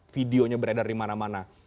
videonya beredar di mana mana